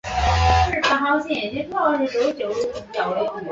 目前没有通用的记号来表示加加加速度的导数。